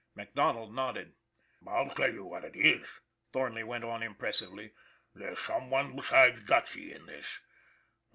MacDonald nodded. " I'll tell you what it is," Thornley went on im pressively, " there's some one besides Dutchy in this.